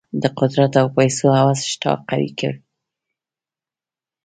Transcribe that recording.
د قدرت او پیسو هوس اشتها قوي کړې.